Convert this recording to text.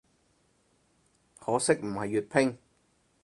可惜唔係粵拼